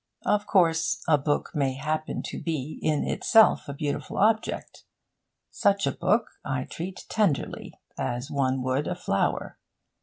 Of course, a book may happen to be in itself a beautiful object. Such a book I treat tenderly, as one would a flower.